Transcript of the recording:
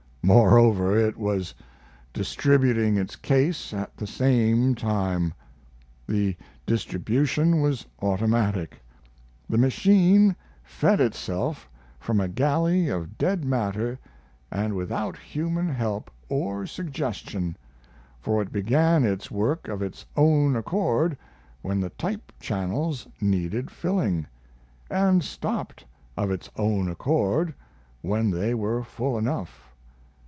Moreover, it was distributing its case at the same time. The distribution was automatic; the machine fed itself from a galley of dead matter and without human help or suggestion, for it began its work of its own accord when the type channels needed filling, and stopped of its own accord when they were full enough.